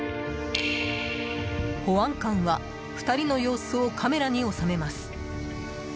保安官は２人の様子をカメラに収めます。